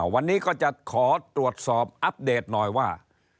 วันนี้ก็จะขอตรวจสอบอัปเดตหน่อยว่า